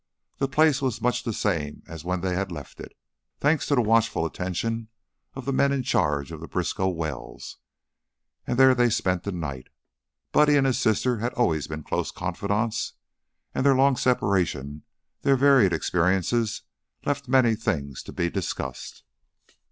The place was much the same as when they had left it, thanks to the watchful attention of the men in charge of the Briskow wells, and there they spent the night. Buddy and his sister had always been close confidants, and their long separation, their varied experiences, left many things to be discussed.